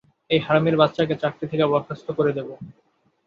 এই হারামির বাচ্চাকে চাকরি থেকে বরখাস্ত করে দেবো।